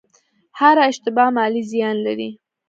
هره اشتباه مالي زیان لري.